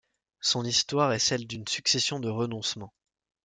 Son histoire est celle d'une succession de renoncements.